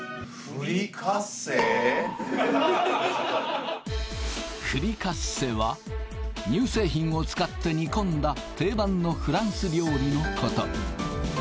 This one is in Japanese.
フリカッセは乳製品を使って煮込んだ定番のフランス料理のこと